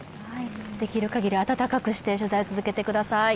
できるかぎり温かくして取材を続けてください。